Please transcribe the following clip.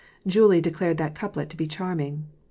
Julie declared that couplet to be charming!